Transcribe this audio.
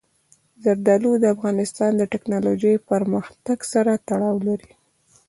زردالو د افغانستان د تکنالوژۍ پرمختګ سره تړاو لري.